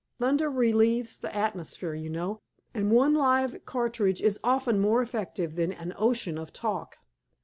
Thunder relieves the atmosphere, you know, and one live cartridge is often more effective than an ocean of talk."